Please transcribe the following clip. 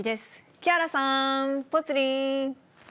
木原さん、ぽつリン。